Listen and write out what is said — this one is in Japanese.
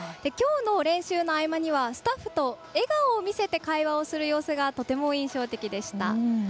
きょうの練習の合間にはスタッフと笑顔を見せて会話をする様子がとても印象的でした。